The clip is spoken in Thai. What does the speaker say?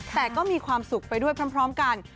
แต่ก็มีความสุขไปด้วยพร้อมกัน